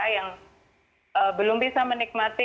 yang belum bisa menikmati